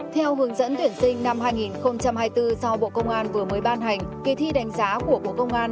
theo hướng dẫn tuyển sinh năm hai nghìn hai mươi bốn do bộ công an vừa mới ban hành kỳ thi đánh giá của bộ công an